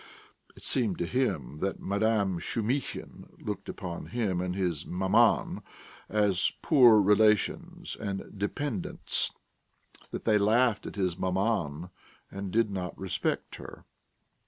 It seemed to him that Madame Shumihin looked upon him and his maman as poor relations and dependents, that they laughed at his maman and did not respect her.